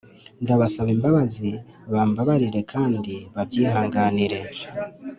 ndabasaba imbabazi, bambabarire kandi babyihanganire